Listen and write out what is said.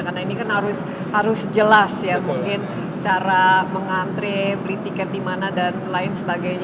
karena ini kan harus jelas ya mungkin cara mengantre beli tiket di mana dan lain sebagainya